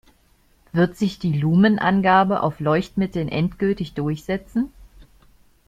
Wird sich die Lumen-Angabe auf Leuchtmitteln endgültig durchsetzen?